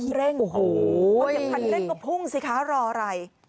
พอเหยียบคันเร่งก็พุ่งสิคะรออะไร